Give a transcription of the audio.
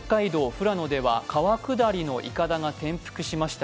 富良野では川下りのいかだが転覆しました。